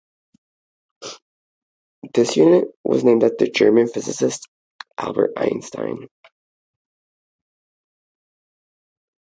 This unit was named after the German physicist, Albert Einstein.